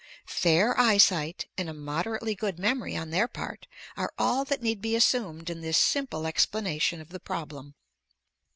Fair eyesight and a moderately good memory on their part are all that need be assumed in this simple explanation of the problem."